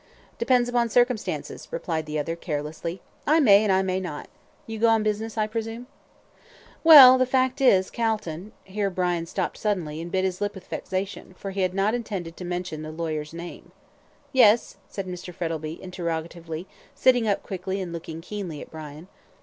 "Depends upon circumstances," replied the other carelessly. "I may and I may not. You go on business, I presume?" "Well, the fact is Calton " Here Brian stopped suddenly, and bit his lip with vexation, for he had not intended to mention the lawyer's name. "Yes?" said Mr. Frettlby, interrogatively, sitting up quickly, and looking keenly at Brian.